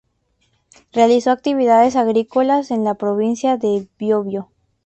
Realizó actividades agrícolas en la Provincia de Biobío.